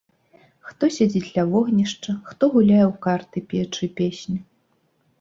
Хто сядзіць ля вогнішча, хто гуляе ў карты, пеючы песню.